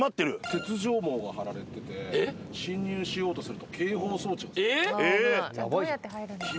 鉄条網が張られてて侵入しようとすると警報装置が。